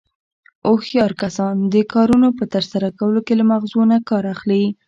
هوښیار کسان د کارنو په ترسره کولو کې له مغزو نه کار اخلي.